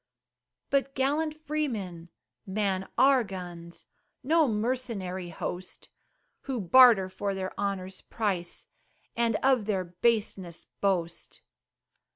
But gallant freemen man our guns No mercenary host, Who barter for their honor's price, And of their baseness boast.